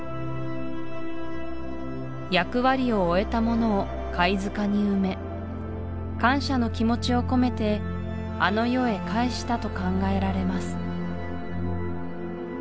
役割を終えたものを貝塚に埋め感謝の気持ちを込めてあの世へかえしたと考えられます